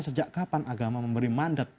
sejak kapan agama memberi mandat